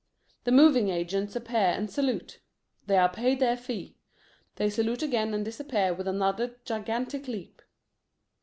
The moving agents appear and salute. They are paid their fee. They salute again and disappear with another gigantic leap.